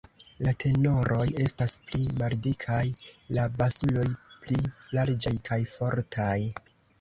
La tenoroj estas pli maldikaj, la basuloj pli larĝaj kaj fortaj.